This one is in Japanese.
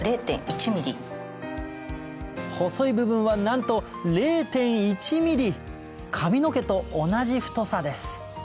細い部分はなんと０．１ｍｍ髪の毛と同じ太さです